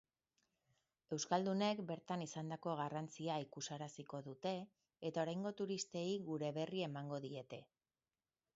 Euskaldunek bertan izandako garrantzia ikusaraziko dute eta oraingo turistei gure berri emango diete.